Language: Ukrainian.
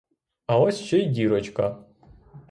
А ось ще й дірочка!